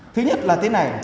thứ nhất là thế này